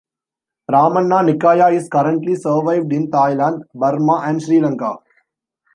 Ramanna Nikaya is currently survived in Thailand, Burma and Sri Lanka.